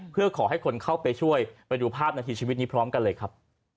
เพื่อขอให้คนเข้าไปช่วยไปดูภาพนาทีชีวิตนี้พร้อมกันเลยครับ